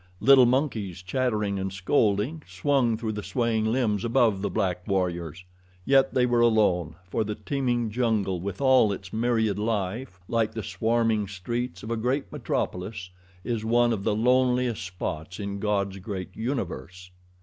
Little monkeys, chattering and scolding, swung through the swaying limbs above the black warriors. Yet they were alone, for the teeming jungle with all its myriad life, like the swarming streets of a great metropolis, is one of the loneliest spots in God's great universe.